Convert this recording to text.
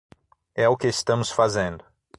É o que estamos fazendo.